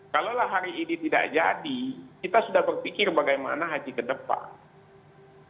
kalau hari ini tidak jadi kita sudah berpikir bagaimana haji ke depan